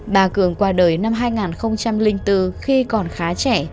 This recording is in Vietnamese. bà cường qua đời năm hai nghìn bốn khi còn khá trẻ